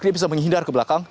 ini bisa menghindar ke belakang